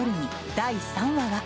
第３話は。